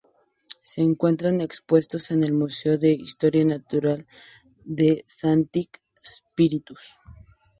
Se encuentran expuestos en el Museo de Historia Natural de Sancti Spíritus.